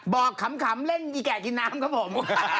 บอกขำเล่นกี่แก่กินน้ำครับผม